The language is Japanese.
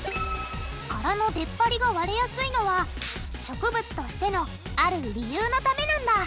殻のでっぱりが割れやすいのは植物としてのある理由のためなんだ。